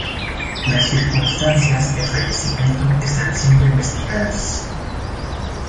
Las circunstancias del fallecimiento están siendo investigadas.